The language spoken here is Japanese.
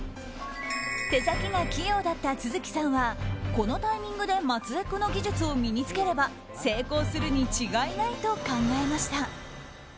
手先が器用だった續さんはこのタイミングでまつエクの技術を身に着ければ成功にするに違いないと考えました。